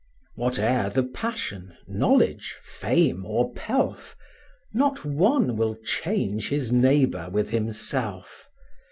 Whate'er the passion, knowledge, fame, or pelf, Not one will change his neighbour with himself.